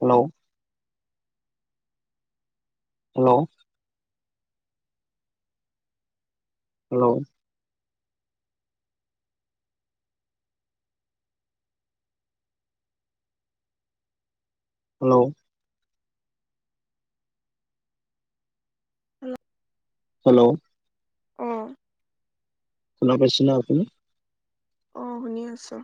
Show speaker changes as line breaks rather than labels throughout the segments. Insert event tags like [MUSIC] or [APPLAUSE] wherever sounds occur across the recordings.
Hello hello hello hello
উম
hello
অ
শুনা পাইছে নে আপুনি
অ শুনি আছো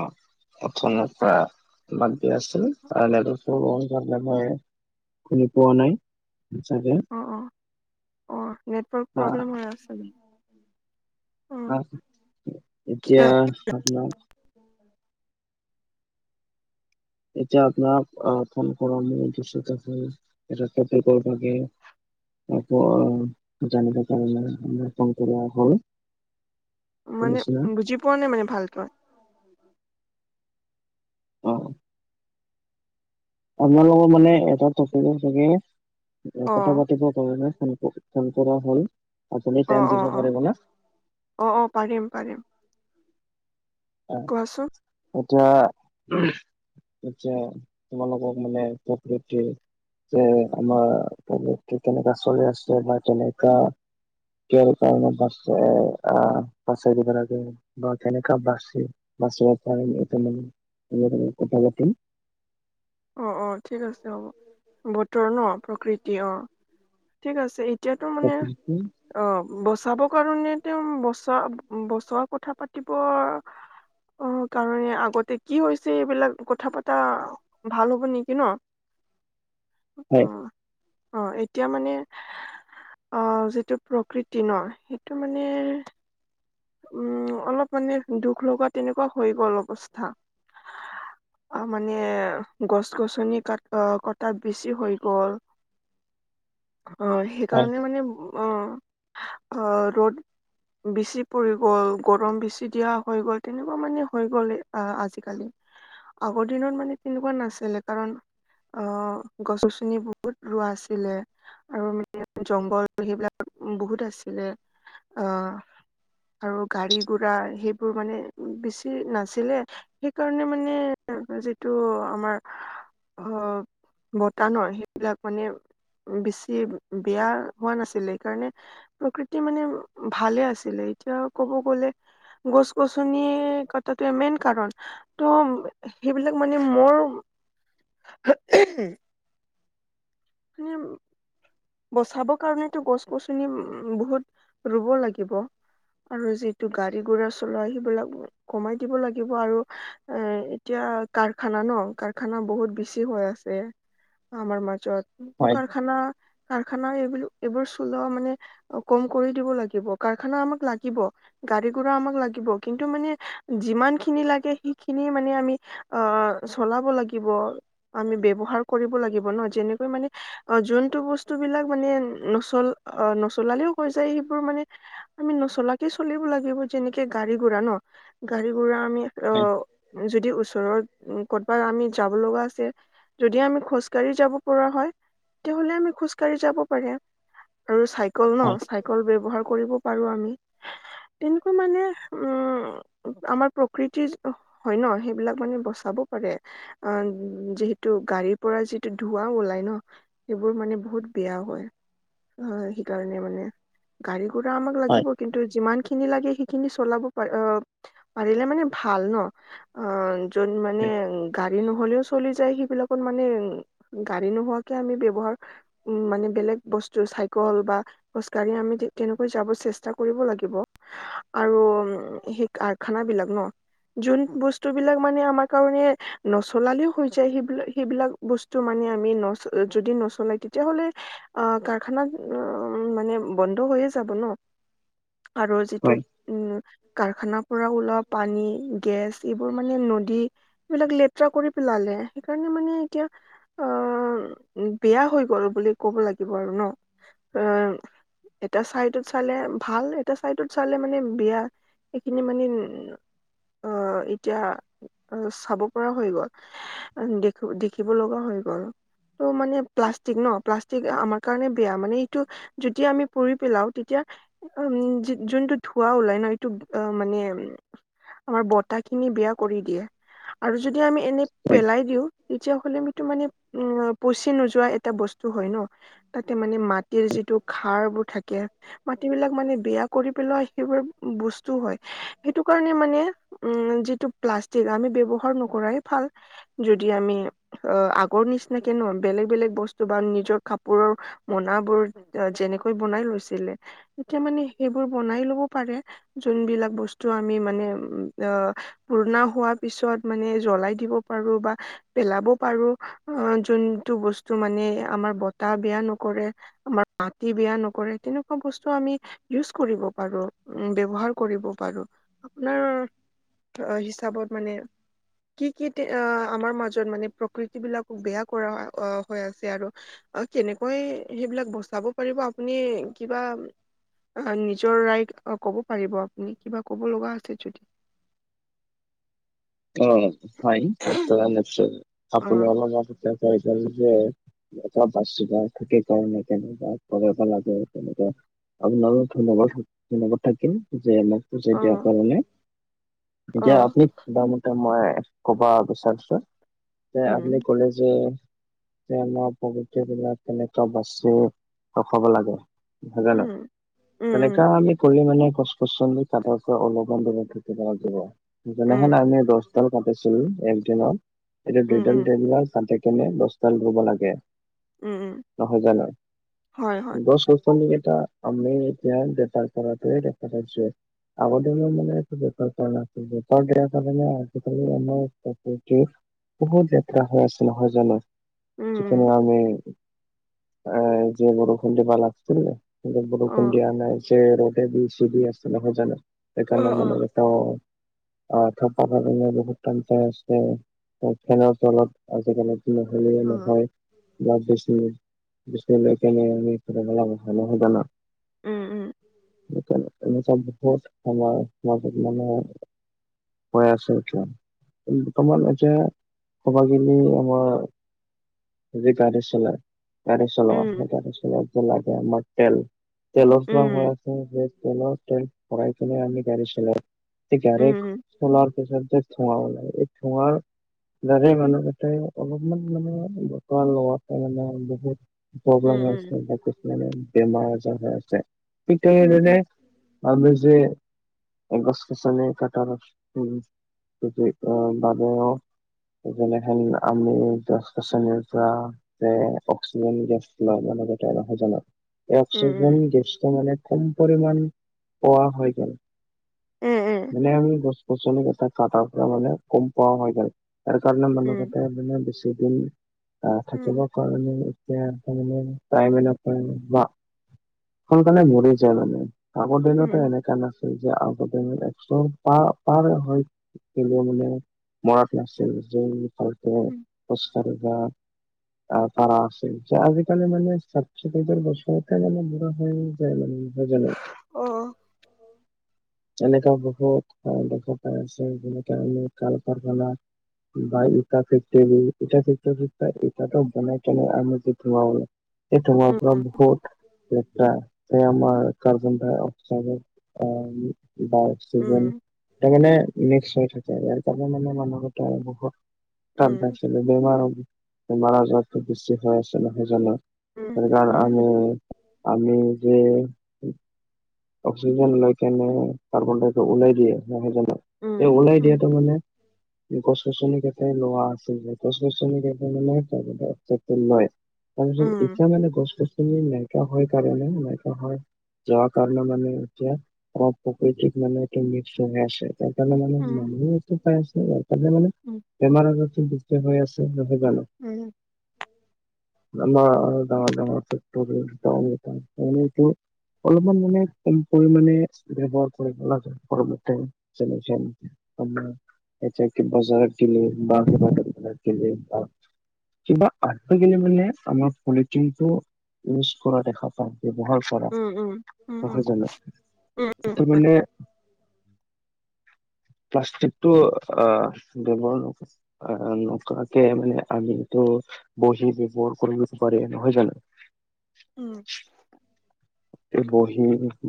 অ' অপচন এটা তোমাক যে আছিল আৰু নেটৱৰ্কটো অন কৰা নাই মই শুনি পোৱা নাই চাগে
অ অ অ নেটৱৰ্ক
আ
প্ৰব্লেম হৈ আছে
অ
কি
এতিয়া
অ
আপোনাৰ এতিয়া আপোনাক আহ ফোন কৰাৰ মূল উদ্দেশ্যটো হৈছে এটা টপিকৰ বাবে আকৌ অ জানিব কাৰণে ফোন কৰা হল
মানে
শুনিছেনে?
বুজি পোৱা নাই মানে ভালকৈ।
অ। আপোনালোকৰ মানে এটা টপিকৰ বাবে
অ
কথা পাতিবৰ কাৰণে ফোন কৰ ফোন কৰা হ'ল। আপুনি
অ
টাইম
অ
দিব
অ
পাৰিব না?
অ অ পাৰিম পাৰিম। কোৱাচোন
এতিয়া আচ্ছা, তোমালোকক মানে প্ৰকৃতিৰ যে আমাৰ [UNINTELLIGIBLE] কেনেকা চলি আছে বা কেনেকা কে কাৰণে বাছ এ আ [UNINTELLIGIBLE] কেনেকা বাছ [UNINTELLIGIBLE] [UNINTELLIGIBLE] কথা পাতিম।
অ, অ, ঠিক আছে হ'ব, বতৰ ন'প্ৰকৃতি অ, ঠিক আছে ই এতিয়াতো মানে
প্ৰকৃতি
অ, বচাবৰ কাৰণে তেওঁ বচা বচোৱাৰ কথা পাতিবৰ অ, কাৰণে আগতে কি হৈছে এইবিলাক কথা পতা ভাল হ'ব নেকি ন'? অ
হয়।
অ, এতিয়া মানে অ, যিটো প্ৰকৃতি ন' সেইটো মানে উম অলপ মানে দুখ লগা তেনেকুৱা হৈ গ'ল অৱস্থা। আ মানে গছ-গছনি কাট অ কটা বেছি হৈ গ'ল।
[UNINTELLIGIBLE]
অ,
হয়
সেইকাৰণে মানে ম অ, ধৰ ৰ'দ বিছি পৰি গ'ল গৰম বেছি দিয়া হৈ গ'ল তেনেকুৱা মানে হৈ গ'ল এ আ, আজিকালি। আগৰ দিনত মানে তেনেকুৱা নাছিলে কাৰণ অহ গছ-গছনি বহুত ৰোৱা আছিলে। আৰু মান [UNINTELLIGIBLE] জংঘল সেইবিলাক বহুত আছিলে অ আৰু গাড়ী-গুৰা সেইবোৰ মানে বেছি নাছিলে। সেইকাৰণে মানে যিটো আমাৰ অহ বতানৰ সেইবিলাক মানে বেছি বেয়া হোৱা নাছিলে সেইকাৰণে প্ৰকৃতি মানে ভালে আছিলে এতিয়া ক'ব গ'লে গছ-গছনিৰ কথাটোৱে মেইন কাৰণ। ত' সেইবিলাক মানে মোৰ [INAUDIBLE] বচাব কাৰণেতো গছ-গছনি উম বহুত ৰুব লাগিব। আৰু যিটো গাড়ী-গোৰা চলোৱা সেইবিলাক কমাই দিব লাগিব আৰু এহ এতিয়া কাৰখানা ন' কাৰখানা বহুত বেছি হৈ আছে আমাৰ মাজত। কোনটো
হয়
কাৰখানা কাৰখানা এইবোলো এইবোৰ চলোৱা মানে অ কম কৰি দিব লাগিব কাৰখানা আমাক লাগিব। গাড়ী-গুৰা আমাক লাগিব কিন্তু মানে যিমান খিনি লাগে সিখিনি মানে আমি আহ চলাব লাগিব। আমি ব্যৱহাৰ কৰিব লাগিব ন' যেনেকৈ মানে অ যোনটো বচ স্তুবিলাক মানে নচল অ নচলালেও হৈ যায় সেইবোৰ মানে আমি নচলাকে চলিব লাগিব যেনেকে গাড়ী-গুৰা ন'গাড়ী গুৰা আমি অ
হয়
যদি ওচৰৰ কত'বা আমি যাব লগা আছে যদিহে আমি খোজকাঢ়ি যাব পৰা হয় তেতিয়াহ'লে আমি খোজ কাৰি যাব পাৰে আৰু চাইকল ন,
হয়
চাইকল ব্যৱহাৰ কৰিব পাৰো আমি। তেনেকুৱা মানে উম, আমাৰ প্ৰকৃতিৰ [INAUDIBLE] হয় ন, সেইবিলাক মানে বচাব পাৰে। অ' যিহেতু গাড়ীৰ পৰা যিটো ধোৱা ওলাই ন, সেইবোৰ মানে বহুত বেয়া হয়। অ' সেইকাৰণে মানে গাড়ী গুৰা আমাক
হয়
লাগিব। কিন্তু যিমান খিনি লাগে, সেইখিনি চলাব পাৰে অ'। পাৰিলে মানে ভাল ন' আ য'ত মানে গাড়ী নহ'লেও চলি যায় সেইবিলাকত মানে গাড়ী নোহোৱাকে আমি ব্যৱহাৰ উম মানে বেলেগ বস্তু চাইকেল বা খোজকাঢ়ি আমি তে-তেনেকৈ যাব চেষ্টা কৰিব লাগিব। আৰু ম সেই কাৰখানা বিলাক ন' যোন বস্তুবিলাক মানে আমাৰ কাৰণে নচলালেও হৈ যায় সেইবিলাক--সেইবিলাক বস্তু মানে আমি নচ যদি নচলাকে তেতিয়াহ'লে আ কাৰখানা উম মানে বন্ধ হৈয়ে যাব ন'? আৰু
হয়
যিটোক উম, কাৰখানাৰ পৰা ওলোৱা পানী, গেছ এইবোৰ মানে, নদী এইবিলাক লেতেৰা কৰি পেলালে। সেইকাৰণে মানে এতিয়া আঁ--বেয়া হৈ গ'ল বুলি ক'ব লাগিব আৰু ন '? এ এটা চাইডত চালে ভাল, এটা চাইডত চালে মানে বেয়া। সেইখিনি মানে উম আঁ--এতিয়া আ চাব পৰা হৈ গ'ল। দেখো দেখিব লগা হৈ গ'ল। ত' মানে প্লাছ ষ্টিক ন'? প্লাষ্টিক আমাৰ কাৰণে বেয়া। মানে এইটো যেতিয়া আমি পুৰি পেলাওঁ তেতিয়া উম যো--যোনটো ধোঁৱা ওলাই ন' এইটো আ মানে আমাৰ বতাহখিনি বেয়া কৰি দিয়ে। আৰু যদি আমি এনেই
হয়
পেলাই দিওঁ তেতিয়া হ'লে আমিটো মানে উম পচি নোযোৱা এট্ এটা বস্তু হয় ন '। তাতে মানে মাটিৰ যিটো খাৰবোৰ থাকে। মাটিবিলাক মানে বেয়া কৰি পেলোৱাৰ সেইবোৰ বস্তু হয়। সেইটো কাৰণে মানে উম, যিটো প্লাষ্টিক আমি ব্যৱহাৰ নকৰাই ভাল। যদি আমি অ' আগৰ নিচিনাকে ন ' বেলেগ বেলেগ বস্ স্তুবান নিজৰ কাপোৰৰ মোনাবোৰ যেনেকৈ বনাই লৈছিলে। এতিয়া মানে সেইবোৰ বনাই ল'ব পাৰে। যোনবিলাক বস্তু আমি মানে উম আঁ পুৰণা হোৱা পিছত মানে জ্বলাই দিব পাৰো বা পেলাবও পাৰো আঁ যোনটো বস্তু মানে আমাৰ বতাহ বেয়া নকৰে আমাৰ মাটি বেয়া নকৰে তেনেকুৱা বস্তু আমি ইউজ কৰিব পাৰোঁ, উম ব্যৱহাৰ কৰিব পাৰোঁ আপোনাৰ- অ' হিচাপত মানে। কি কি তে--আ আমাৰ মাজত মানে প্ৰকৃতি বিলাকক বেয়া কৰা হয় - অঁ হয় আছে আৰু। অ', কেনেকৈ সেইবিলাক বচাব পাৰিব আপুনি কিবা অঁ, নিজৰ ৰাইড ক'ব পাৰিব আপুনি? কিবা ক'ব লগা আছে যদি।
অঁ, হয় এইটো বাৰু নেচাৰেল।
অ
আপুনি অলপ আগতে কৈছিলে যে এটা বাচুদাৰ থাকে সেইকাৰণে তেনেকুৱা কৰাব লাগে। তেনেকুৱা আপোনালৈ ধন্যবাদ থাক্ ধন্যবাদ থাকিল যে মোক বুজাই
অ
দিয়াৰ কাৰণে।
অ
এতিয়া আপুনি বা মোক মই ক'ব বিচাৰিছোঁ যে
উম
আপুনি ক'লে যে যে আমাৰ প্ৰকতি বিলাক কেনেকুৱা বাচিব ৰখাব লাগে। হয় নে
উম
নহয়? তেনেকা
উম
আমি কৰি মানে গছ- গছনি কটাৰ পৰা অলপমান দূৰত থাকিব লাগিব।
উম
যেনেহেন আমি দশডাল কৰিছিলোঁ এক দিনত এতিয়া
উম
দুইডাল,
উম
তিনডাল কাটি কেনে দশডাল ৰুব লাগে।
উম উম
নহয় জানো?
হয় হয়
গছ-গছ গছনিক এতিয়া আমি ইয়াত বেপাৰ কৰাটোৱে দেখা পাইছোঁ। আগৰ দিনত মানে এইটো বেপাৰ কৰা নাছিল। বেপাৰ বেয়া কাৰণে সেইফালে আমাৰ প্ৰকৃতিৰ বহুত লতেৰা হৈ আছিল নহয় জানো?
উম
যিদিনা
উম
আমি আহ যিয়ে বৰষুণ দিব লাগছে ন। কিন্তু
অ
বৰষুণ দিয়া নাই যে ৰ'দে দি আছে নহয় জানো,
অ
সেইকাৰণে
অ
মানে - ত [UNINTELLIGIBLE] গৰমত বহুত টানছে আছে ফেনৰ তলত আজিকালি নহ'লে
অ
নহয়। বা বিচনী, বিচি লৈ পেলাই আমি [UNINTELLIGIBLE] সেই কাৰণে
উম উম
মানে আমাৰ সমাজত মানে - হৈ আছে এতিয়া, বৰ্তমান এতিয়া কব গিলি আমাৰ - যি গাড়ী চলাই গাড়ী চলোৱা সেই
উম
গাড়ী চলাওঁতে লাগে আমাৰ তেল। তেলৰ চোৱা
উম
হৈ আছে সেই তেলৰ তেল ভৰাই পিনে আমি গাড়ী চলাও। সেই গাড়ী
উম উম
চলাৰ - সেই ফলত যে ধুৱা উলায় এই ধুৱাৰ গাড়ী অনবৰতে অলপমান মানে - ধুৱা হোৱাৰ কাৰণে মানে বহুত
উম
প্ৰব্লেম হৈ আছে বহু মানে বেমাৰ আজাৰ হৈ আছে।
উম উম উম
[UNINTELLIGIBLE] এ গছ গছনি কটাৰ কি কয় মানুক - সেইকাৰণে সেই আমি গছ গছনিক- উশাহ-নিশাহ ল‌ওতে অক্সিজেন গেছ লব লগা নহয় জানো
উম উম
অক্সিজন গছটো মানে কম পৰিমাণ পোৱা হৈ গ'ল।
উম উম
মানে আমি গছ গছনি কটা কাটাৰ পৰা মানে কম পোৱা হৈ গ'ল। তাৰ কাৰণে মানুহ কেইটা মানে বেছিদিন - আহ
উম
থাকিব কাৰণে এতিয়া তাৰ মানে টাইমে নাপাওঁ বা সোনকালে মৰি যায় মানে আগৰ
উম
দিনতো এনেকা নাছিল - তেতিয়া আগৰ দিনত একশ পা পাৰ হৈ - মানে মৰাত নাছিল যে ভালকে
উম
খোজ কাঢ়ি বা- তাৰ পৰা আছেই যে আজিকালি মানে ষাঠি সত্তৰ বছৰতে মানে বুঢ়া হৈ যায় মানুহ। হয় জানো?
অ
যেনেকুৱা বহুত দেখা পাই আছে যেনেকে আমি কল কাৰখানা- বা ইটা ফেক্টিৰি ইটা ফেক্টিত - ইটাটো বনাই কেনে আমি যি ধোঁৱা উলায় সেই ধোঁৱা পৰা বহুত- লেতেৰা সেই আমাৰ কাৰ্বন ডাইঅক্সাইড আহ বা- অক্সিজেন সেইকাৰণে মিক্স হৈ থাকে, তাৰ মানে মানুহ কেইটাৰ বহুত - তাৰ পাছত বেমাৰ হব। বেমাৰ আজাৰ বেছি হৈ আছে নহয় জানো, সেই কাৰণ আমি- আমি যে- অক্সিজেন লৈ কেনে কাৰ্বন ডাইক্সাই ওলাই দিয়ে নহয় জানো, এই ওলাই দিয়াতো মানে- [UNINTELLIGIBLE] গছ গছনি কেইটাই লোৱা আছিল যে গছ গছনি কেইটা মানে কাৰ্বন ডাইঅক্সাইড টো লয়। তাৰপিছত এতিয়া মানে গছ গছনি নাইকীয়া হৈ কাৰণে নাইকিয়া হৈ যোৱাত - কাৰণে মানে এতিয়া অ প্ৰকৃতিক মানে এতিয়া মিক্স হৈ আছে তাৰ কাৰণে মানে মানুহে- [UNINTELLIGIBLE] আৰু পালে মানে বেমাৰ আজাৰ টো বেছি হৈ আছে নহয় জানো
উম।
আমাৰ ডাঙৰ ডাঙৰ ফেক্টৰী [UNINTELLIGIBLE] ইমান মানে কম পৰিমণে ব্যৱহাৰ কৰিব লাগে [UNINTELLIGIBLE] আমাৰ কেতিয়াবা বজাৰত গলে বা ভাত বনাব লাগিলে বা- কিবা অত থাকিলে মানে আমাৰ পলিথিন টো ইউজ কৰা দেখা পাওঁ ব্যৱহাৰ - কৰা নহয় জানো, তাৰ মানে - প্লাষ্টিকটো আ ব্যৱহাৰ নকৰে। আ নকৰাকে মানে আমিটো বহি ব্যৱহাৰ কৰিব পাৰি নহয় জানো?
উম।
এই বহি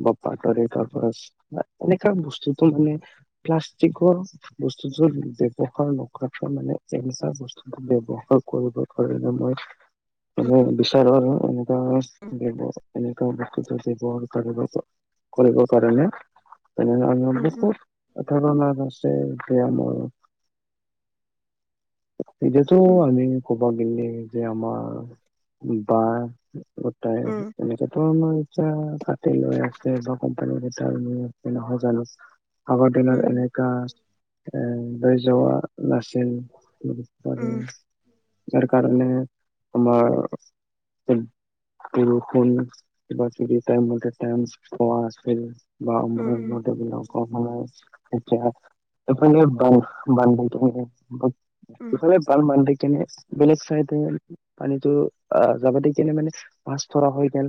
বা পাটৰে কাগজ বা এনেকা বস্তুটো মানে প্লাষ্টিকৰ বস্তুযোৰ ব্যৱহাৰ নকৰাটো মানে এনেকুৱা বস্তু ব্যৱহাৰ কৰিব কাৰণে মই মই বিচাৰো আৰু এনেকুৱা [INAUDIBLE] ত বস্তুটো [INAUDIBLE] ব্যৱহাৰ কৰিব কাৰণে তেনেহলে আমি বহুত কথা দনাত আছে এতিয়া মোৰ এতিয়াতো আমি কবাত গেলে যে আমাৰ বা গোটাই এনেকা ত মই এতিয়া ভাতেই লৈ আছোঁ এ বা কোম্পানীৰ ভিতৰত উম নহয় জানো? আগৰ দিনত এনেকা এ লৈ যোৱা নাছিল আৰু ইয়াৰ কাৰণে আমাৰ [INAUDIBLE] কিবা কিবি টা [UNINTELLIGIBLE] ইম মতে প আছিল বা আমবলাক কম সময়ত এতিয়া এইফালে বান্ধ [INAUDIBLE] এইফালে বান বান্ধি কেনে বেলেগ চাইডে পানীতো আহ যাবাতে কেনে মানে মাছ ধৰা হয় তেন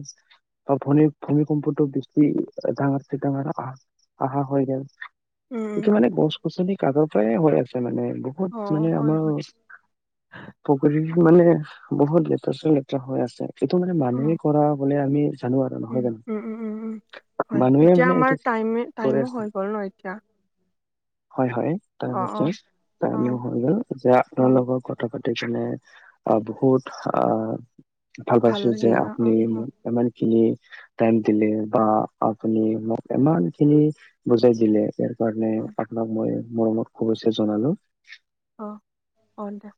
বা ভনি ভূমিকম্পটো বেছি ডাঙাৰ চে ডাঙাৰ আহা আহা হৈ যায় সেইটো মানে গছ - গছনি কাটৰ পৰাই হৈ আছে মানে বহুত মানে আমাৰ পুখুৰী মানে বহুত লেতেৰা চে লেতেৰা হৈ আছে এইটো মানে মানুহে কৰা বোলে আমি জানো আৰু নহয়
উম,
জানো
উম উম উম উম হয়
মানুহে
এতিয়া
মানে
আমাৰ
এইটো
টাইম
কৰে
টাইমো
আছে
হৈ গ'ল ন এতিয়া।
হয় হয়
অ অ
তাৰপিছত
অ
টাইমো হৈ গল যে
অ
আপোনাৰ লগৰ কথ থা পাতি কিনে আহ বহুত আহ ভাল পাইছো যে
লাগিল ন অ
আপুনি
অ
মোক ইমানখিনি টাইম দিলে বা আপুনি মোক ইমানখিনি বুজাই দিলে কাৰণে
অ
আপোনাক মই মৰমত শুভেচ্ছা জনালো।
অঁ অঁ দে।